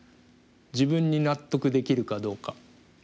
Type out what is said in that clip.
自分に納得できるかどうか。